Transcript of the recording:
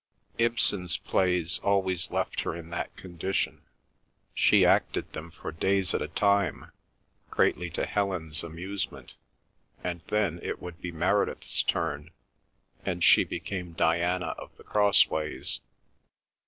Ibsen's plays always left her in that condition. She acted them for days at a time, greatly to Helen's amusement; and then it would be Meredith's turn and she became Diana of the Crossways.